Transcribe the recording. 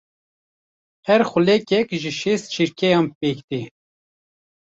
Her xulekek ji şêst çirkeyan pêk tê.